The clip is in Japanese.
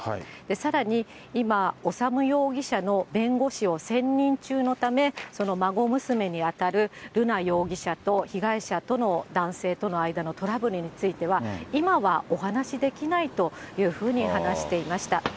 さらに今、修容疑者の弁護士を選任中のため、その孫娘に当たる瑠奈容疑者と被害者との、男性との間のトラブルについては、今はお話しできないというふうに話していました。